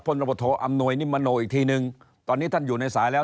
พศอำนวยนิมโมโนอีกทีหนึ่งตอนนี้ท่านอยู่ในสายแล้ว